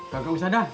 gak usah dah